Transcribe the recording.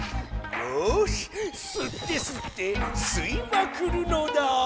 よしすってすってすいまくるのだ！